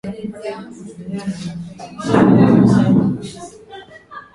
kwa wananchi wa taifa hilo na ameelezea malengo yake